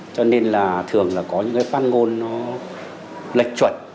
cho nên là thường có những phát ngôn lệch chuẩn